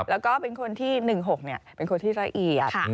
แล้วก็เป็นคนที่๑๖เป็นคนที่ละเอียด